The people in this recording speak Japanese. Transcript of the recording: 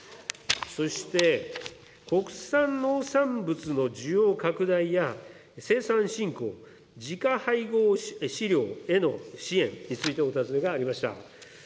そして国産農産物の需要拡大や生産振興、自家配合飼料への支援についてお尋ねがありました。